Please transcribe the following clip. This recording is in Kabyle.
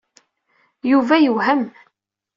Yuba yewhem.